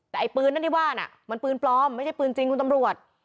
แต่ไอ้ปืนนั้นที่ว่าน่ะมันปืนปลอมไม่ใช่ปืนจริงคุณตำรวจ